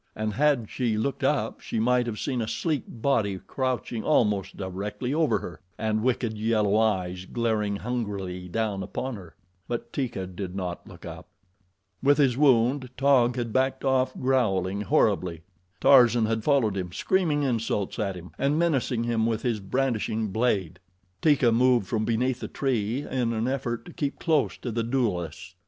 And had she looked up she might have seen a sleek body crouching almost directly over her and wicked yellow eyes glaring hungrily down upon her, but Teeka did not look up. With his wound Taug had backed off growling horribly. Tarzan had followed him, screaming insults at him, and menacing him with his brandishing blade. Teeka moved from beneath the tree in an effort to keep close to the duelists.